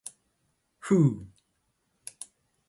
ふう。